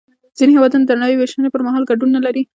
ځینې هېوادونه د نړۍ وېشنې پر مهال ګډون نلري